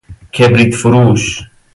کبریت فروش